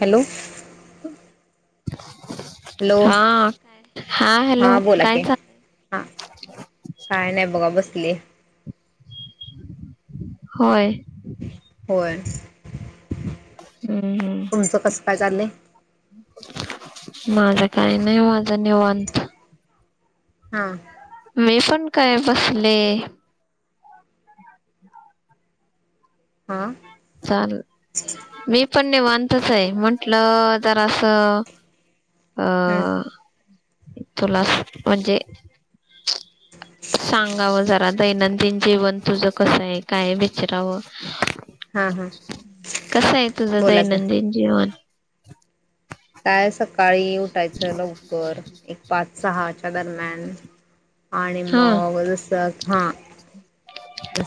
Hello hello हा काय हा हॅलो हां बोला काय की हां चालय काय नाही बघा बसली होय हो हम्म हम्म तूमचं कसं काय चाललंय माझं काही नाही ओ आत्ता निवांत हा मी पण काय बसले हां चालल मी पण निवांतच आहे म्हंटलं जरा असं हं अह तुला म्हणजे सांगाव जरा दैनंदिन जीवन तुझं कसं आहे काय विचरावं हां हां कस आहे तुझं बोला की दैनंदिन जीवन काय सकाळी उठायचं लवकर एक पाच सहाच्या दरम्यान आणि हा मग जस हा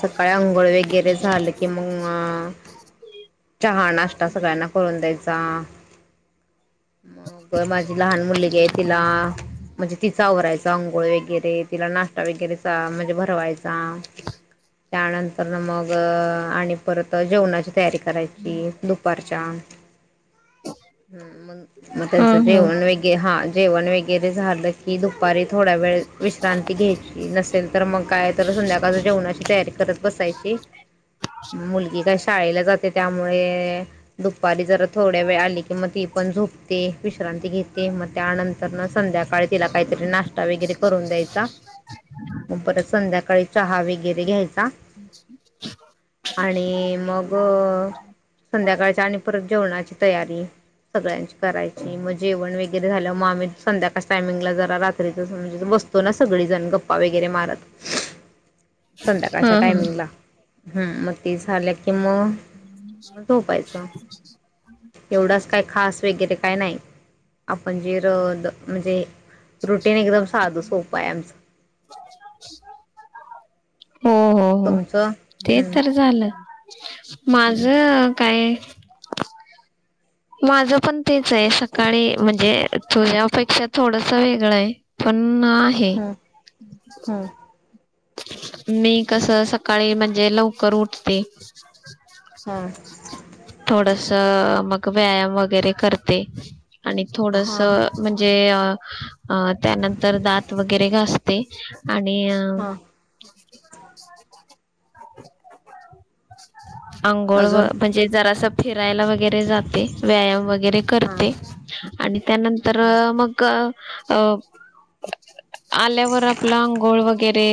सकाळी आंघोळ वगैरे झालं की मग चहा नाष्टा सगळ्यांना करून द्यायचा मग माझी लहान मुलगी आहे तिला म्हणजे तिचा आवरायचा अंघोळ वगैरे तिला नाष्टा वगैरेचा म्हणजे भरवायचा त्यानंतर मग आणि परत जेवणाची तयारी करायची दुपारची मग हा त्यांचं हा जेवण वैगरे जेवण वगैरे झालं की दुपारी थोड्या वेळ विश्रांती घ्यायची नसेल तर मग काय तर संध्याकाळ जेवणाची तयारी करत बसायची मुलगी काय शाळेला जाते त्यामुळे दुपारी जरा थोड्या वेळ आली कि मग ती पण झोपते विश्रांती घेते मग त्यानंतर संध्याकाळी सकाळी तिला काहीतरी नाष्टा वगैरे करून द्यायचा मग परत संध्याकाळी चहा वगैरे घ्यायचा आणि मग संध्याकाळच्या आणि परत जेवणाची तयारी सगळ्यांची करायची. मग जेवण वगैरे झालं मग आम्ही संध्याकाळ टायमिंगला जरा रात्रीच म्हणजे बसतो ना सगळीजण गप्पा वगैरे मारत हा संध्याकाळच्या हा टायमिंगला. हम मग ती झाली कि मग. झोपायच एवढ असं काय खास. वगैरे काय नाही. आपण जे रोज म्हणजे. रुटीन एकदम साध सोपाय आमच. हो. हो. हो. ते हम्म तर झालं. माझ. काय. माझ पण तेच आहे. सकाळी म्हणजे तुझ्यापेक्षा थोडस वेगळं आहे पण. आहे. हम्म हम्म मी कसं सकाळी म्हणजे लवकर उठते. हां थोडस मग व्यायाम वगैरे करते. आणि थोडस हां म्हणजे अ. अ त्यानंतर दात वगैरे घासते आणि अ. हां ह [unintelligible] [unintelligible] आंघोळ व अजून म्हणजे जरास फिरायला वगैरे जाते. व्यायाम वगैरे हां करते. आणि त्यानंतर मग अ. आल्यावर आपला अंघोळ वगैरे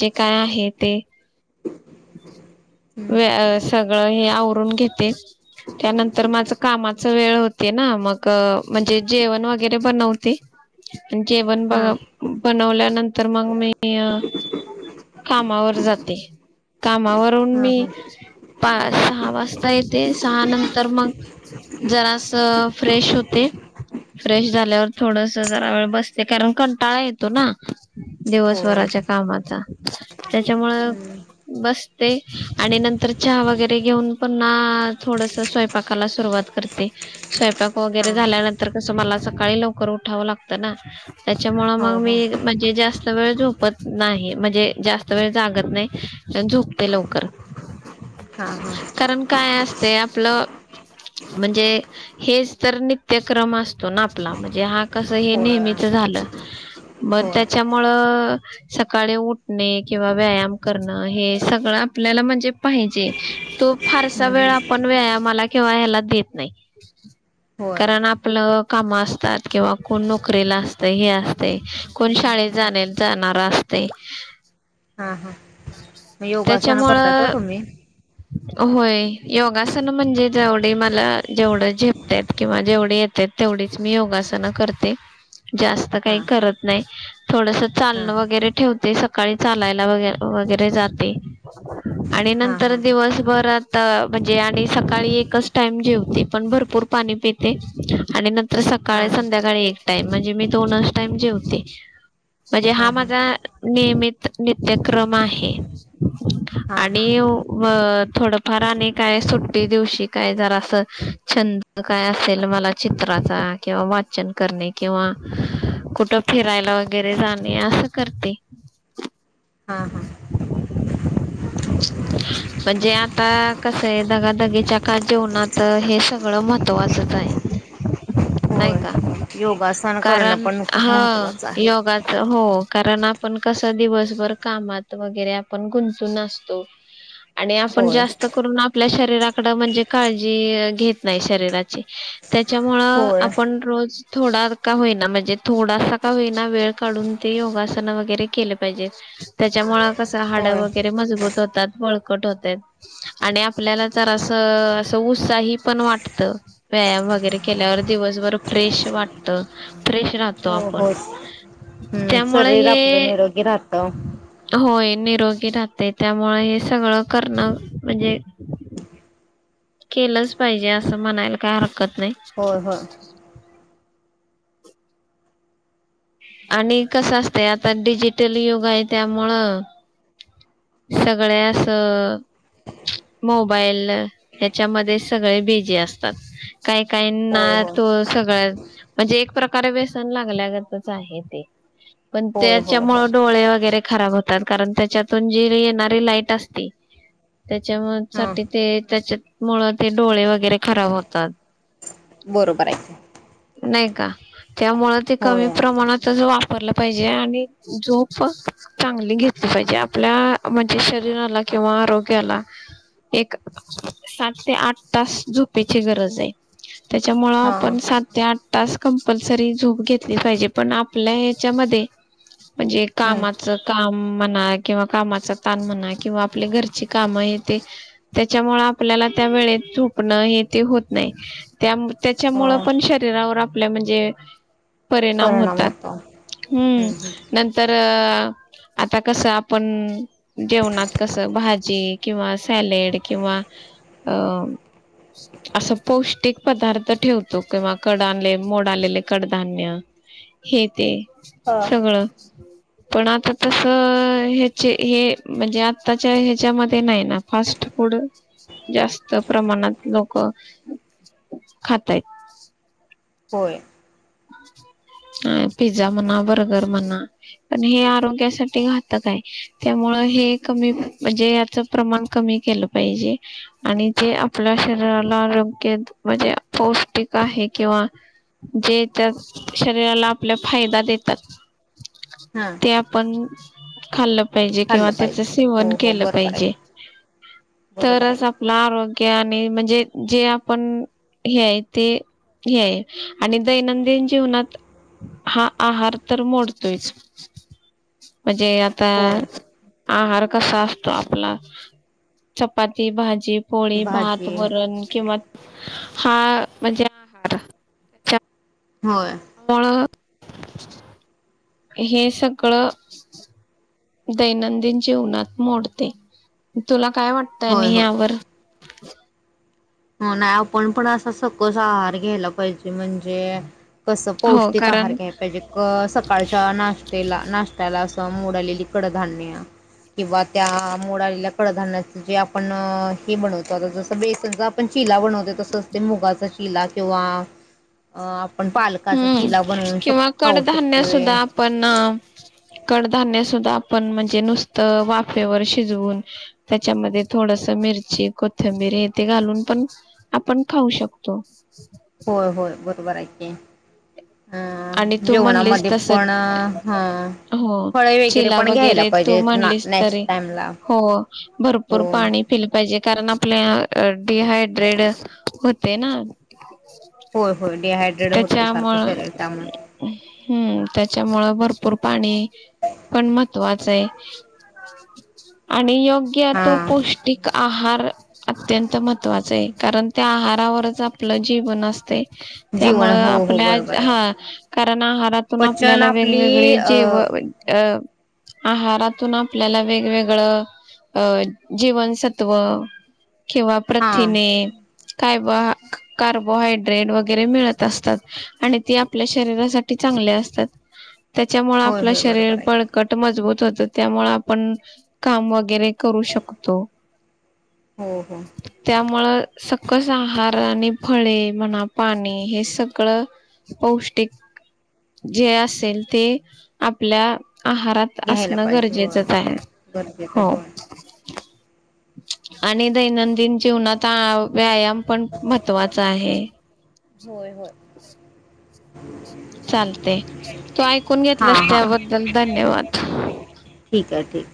जे काय आहे ते. हम्म व सगळं हे आवर. आवरून घेते त्यानंतर माझ कामाच वेळ होते ना मग. म्हणजे जेवण वगैरे बनवते. जेवण बघ हां बनवल्यानंतर मग मी. कामावर जाते. कामावरून हा हा मी पा सहा वाजता येते सहा नंतर मग. जरास फ्रेश होते. फ्रेश झाल्यावर थोडस जरा वेळ बसते. कारण कंटाळा येतो ना. होय दिवसभराच्या कामाचा त्याच्यामुळ. अस ते आणि नंतर चहा वगैरे घेऊन पण थोडस स्वयंपाकाला सुरुवात करते. स्वयंपाक हा वगैरे झाल्यानंतर कस मला सकाळी लवकर उठावं लागतं ना. त्याच्यामुळ हो मग हो मी म्हणजे जास्त. जास्त वेळ झोपत नाही. म्हणजे जास्त वेळ जागत नाही झोपते लवकर. हा हा कारण काय असते आपलं. म्हणजे हेच तर नित्यक्रम असतो ना आपला. म्हणजे हा कस हे होय नेहमीच. झाल मग होय त्याच्यामुळ सकाळी उठणे किंवा व्यायाम करने. हे सगळ आपल्याला म्हणजे पाहिजे. तो फार सा वेळ आपण व्यायामाला. देत नाही. हो. कारण आपलं काम असतात किंवा कोण नोकरीला असत हे असते कोण शाळेत जा जाणार असते. हा. हा. मग योगासनं करतात का त्याच्यामुळं. तुम्ही होय. योगासन म्हणजे जेवढी मला जेवढं झेपत किंवा जेवढी येत तेवढीच मी योगास योगासन करते. जास्त काही हां हां करत नाही. थोडस हां चालणं वगैरे ठेवते. सकाळी चालायला वग वगैरे जाते आणि हां नंतर हां दिवसभर म्हणजे सकाळी. टाईम जेवते. पण भरपूर पाणी पिते आणि नंतर सकाळी हां संध्याकाळी. टाईम म्हणजे मी दोनच टाईम जेवते. म्हणजे हा हां हां माझा नियमित नित्यक्रम आहे. हां हां आणि थोडफार आणि काय सुट्टी दिवशी काय जरा असं. छंद काय असेल मला चित्राचा किंवा वाचन करणे किंवा कुठ फिरायला वगैरे जाणे असं करते. हा हा [inaudible] म्हणजे आता कसं आहे दगाधगीच्या का जेवणात हे सगळं महत्वाचंच आहे [inaudible] नाही होय का हो योगासन करणं कारण पण खूप हा महत्त्वाचं आहे. योगाच हो कारण आपण कस दिवसभर कामात वगैरे आपण गुंंतून असतो. आणि आपण होय जास्त करून आपल्या शरीराकड म्हणजे काळजी घेत नाही शरीराची. त्याच्यामुळ होय आपण रोज थोडा का होईना म्हणजे थोडासा का होईना वेळ काढून ते योगासन वगैरे केले पाहिजे. त्याच्यामुळे कसं हाड होय वगैरे मजबूत होतात. बळकट होत आणि आपल्याला जरास अस उत्साही पण वाटत व्यायाम वगैरे केल्यावर दिवसभर फ्रेश वाटत फ्रेश राह त हो आपण हो त्यामुळ शरीर हे आपलं निरोगी राहतं होय निरोगी राहते त्यामुळे हे सगळं करणं म्हणजे केलंच पाहिजे असं म्हणायला काय हरकत नाही होय होय आणि कसं असतय आता डिजिटल युग आहे त्यामुळं सगळ्या असं मोबाईल ह्याच्यामध्ये सगळे बिझी असतात काही काही होय ना होय तो सगळं म्हणजे एक प्रकारे व्यसन लागल्यागतच आहे ते पण होय होय त्याच्यामुळ होय डोळे वगैरे खराब होतात कारण त्याच्यातून जी ते येणारी लाईट असते. त्याच्या म हां साठी ते त्याच्या मुळ ते डोळे वगैरे खराब होतात बरोबर आहे. नाही का त्यामुळे ते कमी होय प्रमाणात त वापरलं पाहिजे आणि झोप चांगली घेतली पाहिजे आपल्या म्हणजे शरीराला किंवा आरोग्याला एक सात ते आठ तास झोपेची गरज आहे. त्याच्यामुळं आपण हां सात ते आठ तास कंपलसरी झोप घेतली पाहिजे पण आपल्या ह्याच्या मध्ये म्हणजे कामाच काम म्हणा किंवा कामाच. काम म्हणा किंवा आपली घरची काम ते त्याच्यामुळे आपल्याला त्यावेळेत झोप न ये ते होत नाही त्यामुळे हो त्याच्यामूळ पण शरीरावर आपल्या म्हणजे परिणाम होतात हम्म. नंतर अ आता कसं आपण जेवणात कसं भाजी किंवा सॅलेड किंवा अ असं पौष्टिक पदार्थ ठेवतो किंवा कड आले मोड आलेले कडधान्य हे ते. हा सगळं पण आता तस ह्याचे हे म्हणजे आत्ताच्या ह्याच्यामध्ये नाही ना फास्ट फूड जास्त प्रमाणात लोक खातायत होय अ पिझ्झा म्हणा बर्गर म्हणा पण हे आरोग्यासाठी घातक. त्यामुळे हे कमी म्हणजे याच प्रमाण कमी केलं पाहिजे आणि जे आपल्या शरीराला आरोग्य म्हणजे पौष्टिक आहे किंवा जे त्यात शरीराला आपल्या फायदा देतात हां ते आपण खाल्लं पाहिजे किंवा खाल्लं त्याच पाहिजे सेवन हो हो केलं बरोबर आहे पाहिजे बरोबर आहे तरच आपलं आरोग्य आणि म्हणजे. जे आपण हे ते हे आणि दैनं न जीवनात हा आहार तर मोडतोयच म्हणजे आता होय आहार कसा असतो आपला चपाती, भाजी, ती पोळी, भात भाजी वरण किंवा हा म्हणजे आहार. होय त्यामुळं हे सगळं दैनंदिन जीवनात मोडते तुला काय वाटतं होय आणि होय यावर [unintelligible] हो नाही आपण पण असा सकस आहार घ्यायला पाहिजे म्हणजे. कसं हो पौष्टिक आहार कारण घ्याय पाहिजे क सकाळच्या नाश्तेला नाष्टत्याला असं मोड आलेली कड धान्य. किंवा त्या मोड आलेल्या कडधान्याच जे आपण हे बनवतो आता जस बेसनच आप चिला बनवते तसच ते मुगाचा चिला किंवा अ आपण पालकाचा हम्म चिला बनवून शक किंवा खाऊ कडधान्य शकतोय. सुद्धा आपण कडधान्य सुद्धा आपण म्हणजे नुसत वाफेवर शिजवून त्याच्यामध्ये थोडस मिरची कोथंबिर हे ते घालून पण आपण खाऊ शकतो होय, होय बरोबर आहे की आणि अ तू म्हणलिस जेवणामध्ये तस पण ह हो फळे चिला पण घ्यायला वगैरे तू पाहिजेत ना म्हणलीस नेक्स्ट तरी टाइमला हो भरपूर हो पाणी पेले पाहिजे कारण आपल्या डिहायड्रेड होते ना. होय होय डिहायड्रेड होते सारख शरीर त्यामुळे हं त्याच्यामुळ भरपूर पाणी पण महत्वाच आहे. आणि य की येतो हा पौष्टिक आहार अत्यंत महत्त्वाच आहे. कारण त्या आहारावरच आपलं जीवन असतय. जीवन त्यामुळे हो हो आपल्या बरोबर आहे हा कारण आहारातून पचन आपल्याला आपली वेगवेगळे अ जेव अ आहारातून आपल्याला वेगवेगळं अ जीवनसत्व किंवा हा प्रथिने कायबोहा कार्बोहायड्रेट वगैरे मिळत असतात. आणि ती आपल्या शरीरासाठी चांगले असतात. त्याच्यामुळे होय आपलं होय शरीर बरोबर आहे बळकट मजबूत होत, त्यामुळे आपण काम वगैरे करू शकतो. हो हो त्यामुळ सकस आहार आणि फळे म्हणा पाणी हे सगळं पौष्टिक जे असेल. ते आपल्या आहारात घ्यायला असणं पाहिजे होय गरजेचंच आहे. गरजेचं आहे हो होय आणि दैनंदिन जीवनात व्यायाम पण महत्त्वाच आहे. होय होय. चालतंय तू ऐकून हा घेतलस हा त्याबद्दल धन्यवाद चालतय